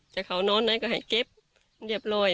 ถ้าเขานอนนะก็ให้เก็บเรียบร้อย